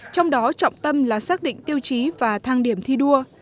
trong đó trọng tâm là xác định tiêu chí và thang điểm thi đua